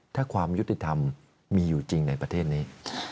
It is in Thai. ถ้าความยุติธรรมมีอยู่จริงในประเทศนี้